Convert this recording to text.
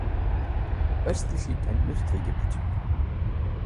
Östlich liegt ein Industriegebiet.